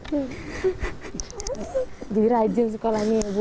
jadi rajin sekolahnya ya bu